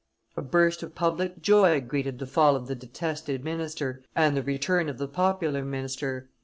A burst of public joy greeted the fall of the detested minister and the return of the popular minister.